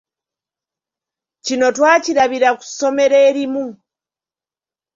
Kino twakirabira mu ssomero erimu.